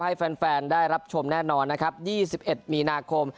ให้แฟนแฟนได้รับชมแน่นอนนะครับยี่สิบเอ็ดมีนาคม